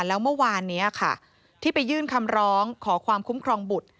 แล้วเมื่อวานนี้ค่ะที่ไปยื่นคำร้องขอความคุ้มครองบุตร